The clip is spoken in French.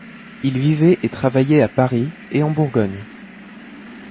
Il vivait et travaillait à Paris et en Bourgogne.